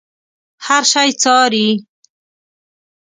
هر شی څاري.